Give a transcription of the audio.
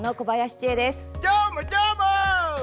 どーも、どーも！